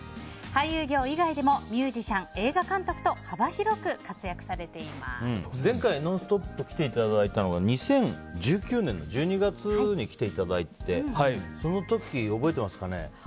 俳優業以外でもミュージシャン、映画監督と前回「ノンストップ！」に来ていただいたのが２０１９年の１２月に来ていただいてその時、覚えてますかね。